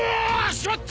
しまった！